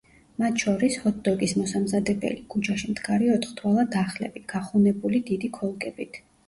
მათ შორის, ჰოთ-დოგის მოსამზადებელი, ქუჩაში მდგარი ოთხთვალა დახლები, გახუნებული დიდი ქოლგებით.